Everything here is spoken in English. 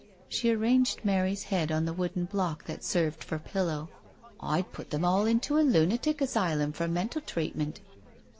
She arranged Mary's head on the wooden block that served for pillow. *' I'd put them all into a lunatic asylum for mental treatment."